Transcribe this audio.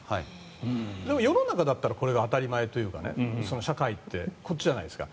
でも世の中だったらこれが当たり前というか社会ってこっちじゃないですか。